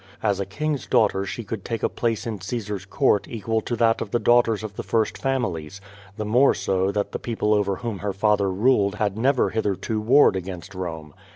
As a king's daughter she could take a place in Caesar's court equal to that of the daughters of the first families, the more so that the people over whom her father ruled had never hitherto warred against Rome.